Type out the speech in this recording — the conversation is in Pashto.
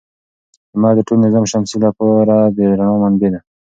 لمر د ټول نظام شمسي لپاره د رڼا منبع ده.